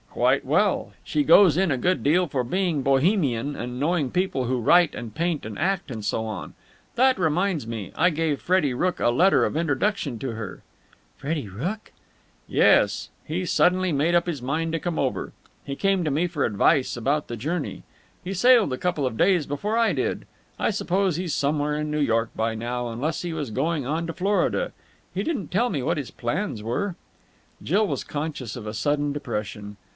"Quite well. She goes in a good deal for being Bohemian and knowing people who write and paint and act and so on. That reminds me. I gave Freddie Rooke a letter of introduction to her." "Freddie Rooke!" "Yes. He suddenly made up his mind to come over. He came to me for advice about the journey. He sailed a couple of days before I did. I suppose he's somewhere in New York by now, unless he was going on to Florida. He didn't tell me what his plans were." Jill was conscious of a sudden depression.